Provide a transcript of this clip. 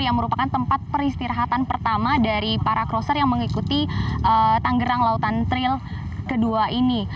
yang merupakan tempat peristirahatan pertama dari para crosser yang mengikuti tanggerang lautan trail kedua ini